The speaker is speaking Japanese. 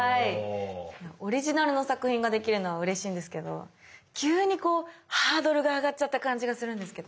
オリジナルの作品ができるのはうれしいんですけど急にハードルが上がっちゃった感じがするんですけど。